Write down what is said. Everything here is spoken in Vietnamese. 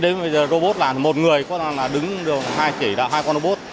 thế đến robot làm thì một người có thể là đứng hai chỉ là hai con robot